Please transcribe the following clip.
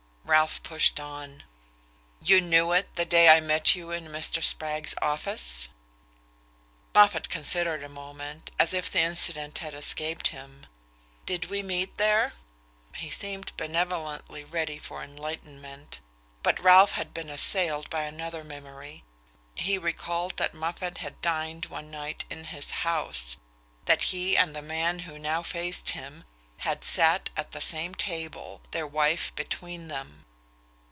Ralph pushed on: "You knew it the day I met you in Mr. Spragg's office?" Moffatt considered a moment, as if the incident had escaped him. "Did we meet there?" He seemed benevolently ready for enlightenment. But Ralph had been assailed by another memory; he recalled that Moffatt had dined one night in his house, that he and the man who now faced him had sat at the same table, their wife between them...